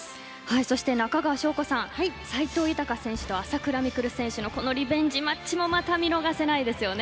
そして、中川翔子さん斎藤選手と朝倉未来選手のリベンジマッチもまた見逃せないですよね。